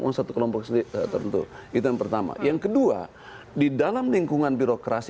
uang satu kelompok tertentu itu yang pertama yang kedua di dalam lingkungan birokrasi